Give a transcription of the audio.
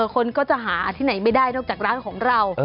คนก็จะหาที่ไหนไม่ได้นอกจากร้านของเรา